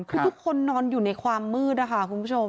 คือทุกคนนอนอยู่ในความมืดนะคะคุณผู้ชม